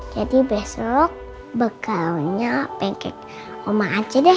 jadi besok bekalnya pancake oma aja deh